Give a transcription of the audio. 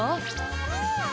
うん！